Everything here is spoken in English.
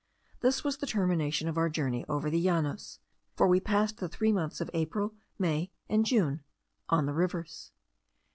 This was the termination of our journey over the Llanos; for we passed the three months of April, May, and June on the rivers.